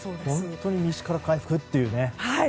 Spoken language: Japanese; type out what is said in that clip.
本当に西から回復という。